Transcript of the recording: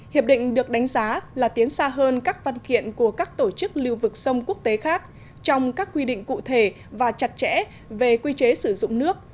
hiệp định được đánh giá là tiến xa hơn các văn kiện của các tổ chức lưu vực sông quốc tế khác trong các quy định cụ thể và chặt chẽ về quy chế sử dụng nước